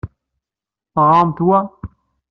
Teɣṛamt wa?